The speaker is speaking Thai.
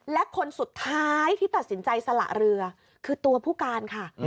และคนสุดท้ายที่ตัดสินใจสละเรือคือตัวผู้การค่ะ